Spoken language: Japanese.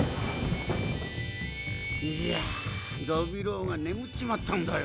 いやぁノビローがねむっちまったんだよ。